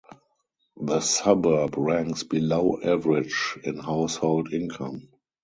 The suburb ranks below average in household income.